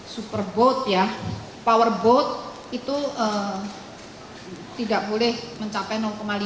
superboat ya powerboat itu tidak boleh mencapai lima